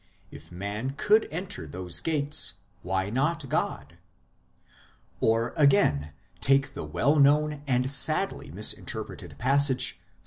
1 If man could enter those gates, why not God ? Or, again, take the well known and sadly misinterpreted passage, Ps.